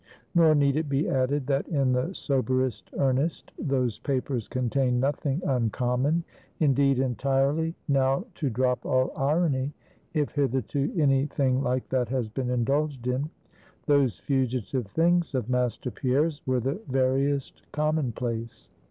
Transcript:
Nor need it be added, that, in the soberest earnest, those papers contained nothing uncommon; indeed entirely now to drop all irony, if hitherto any thing like that has been indulged in those fugitive things of Master Pierre's were the veriest common place.